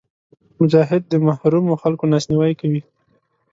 مجاهد د محرومو خلکو لاسنیوی کوي.